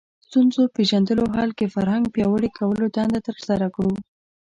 ستونزو پېژندلو حل کې فرهنګ پیاوړي کولو دنده ترسره کړو